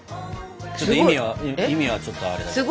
ちょっと意味は意味はちょっとあれだけど。